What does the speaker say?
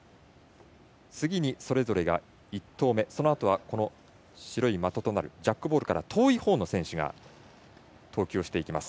次にそれぞれが１投目そのあとは白い的となるジャックボールから遠いほうの選手が投球をしていきます。